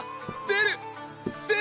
出る！